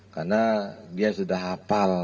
karena dia sudah hafal